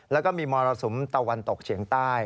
แล้วก็มีมรสุมตะวันตกเฉียงใต้